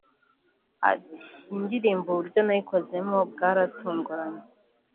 Ati “Iyi ndirimbo uburyo nayikozemo bwaratunguranye